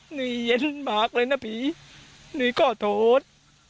หนีเย็นมากเลยนะผีหนีขอโทษ